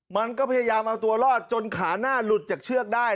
มันก็พยายามเอาตัวรอดจนขาหน้าหลุดจากเชือกได้